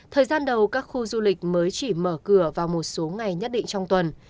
thời gian đầu các khu du lịch mới chỉ mở cửa vào một số ngày nhất định trong tuần